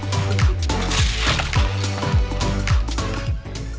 kerang bukur biasanya dimasak berbagai jenis masakan seperti dimasak rica rica dan bumbu asamaya